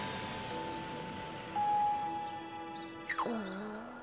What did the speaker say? ああ。